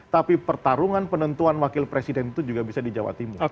tapi pertarungan penentuan wakil presiden itu juga bisa di jawa timur